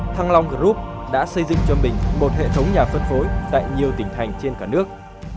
thăng long group đã xây dựng cho mình một hệ thống nhà phân phối tại nhiều tỉnh thành trên cả nước